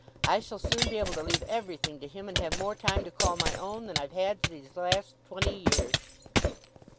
I shall soon be able to leave everything to him, and have more time to call my own than I've had for these last twenty years."